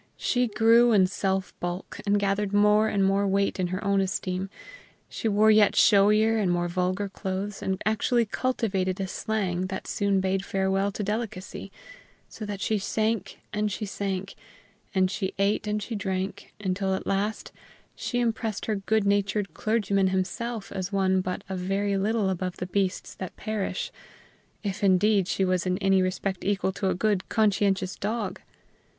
She grew in self bulk, and gathered more and more weight in her own esteem: she wore yet showier and more vulgar clothes, and actually cultivated a slang that soon bade farewell to delicacy, so that she sank and she sank, and she ate and she drank, until at last she impressed her good natured clergyman himself as one but a very little above the beasts that perish if, indeed, she was in any respect equal to a good, conscientious dog!